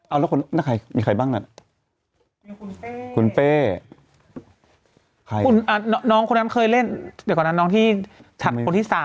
เอาแล้วใครมีใครบ้างนั้นคุณเป้คุณน้องคนนั้นเคยเล่นเดี๋ยวก่อนนั้นน้องที่ฉัดคนที่๓